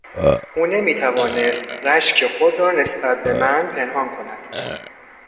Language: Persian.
او نمیتوانست رشک خود را نسبت به من پنهان کند.